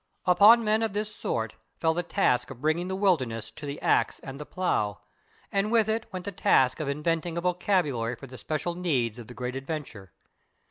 Upon men of this sort fell the task of bringing the wilderness to the ax and the plow, and with it went the task of inventing a vocabulary for the special needs of the great adventure.